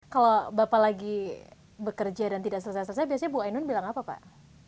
kalau bapak lagi bekerja dan tidak selesai selesai biasanya bu ainun bilang apa pak